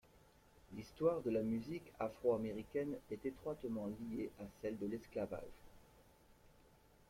L'histoire de la musique afro-américaine est étroitement liée à celle de l'esclavage.